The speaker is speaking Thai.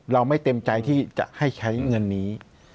เราไม่เต็มใจที่จะให้ใช้เงินนี้